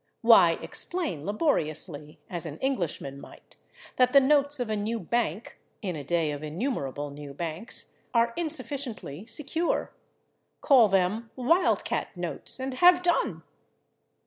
Why explain laboriously, as an Englishman might, that the notes of a new bank (in a day of innumerable new banks) are insufficiently secure? Call [Pg081] them /wild cat/ notes and have done!